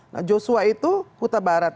nah joshua itu kuta barat